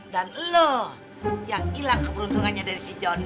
dan lo yang hilang keperuntungannya dari si jonny